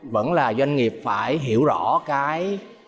vẫn là doanh nghiệp phải hiểu rõ cái